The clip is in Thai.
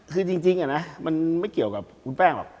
คือจริงมันไม่เกี่ยวกับคุณแป้งหรอก